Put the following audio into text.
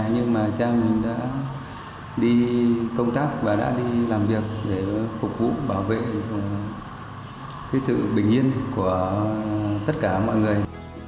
nhưng mà cha mình đã đi công tác và đã đi làm việc để phục vụ bảo vệ sự bình yên của tất cả mọi người